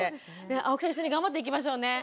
青木さん一緒に頑張っていきましょうね。